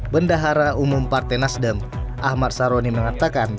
bendahara umum partai nasdem ahmad saroni mengatakan